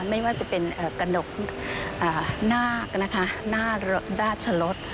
ไม่ว่าจะเป็นกระดกนาคนะคะหน้าราชรส